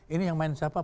ini yang main siapa